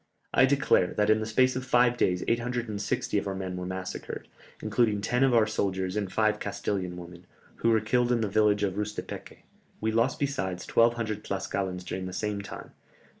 I declare that in the space of five days 860 of our men were massacred, including ten of our soldiers and five Castilian women, who were killed in the village of Rustepèque; we lost besides 1200 Tlascalans during the same time.